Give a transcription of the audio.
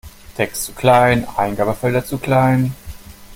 Text zu klein, Eingabefelder zu klein.